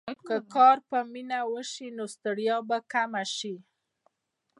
که کار په مینه وشي، نو ستړیا به کمه شي.